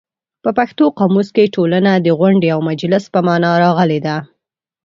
په پښتو قاموس کې ټولنه د غونډې او مجلس په مانا راغلې ده.